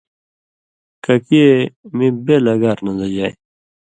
ککی اْے می بېل اگار نہ دژائ